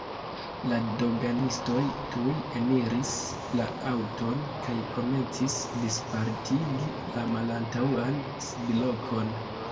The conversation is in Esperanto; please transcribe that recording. La doganistoj tuj eniris la aŭton kaj komencis dispartigi la malantaŭan sidlokon.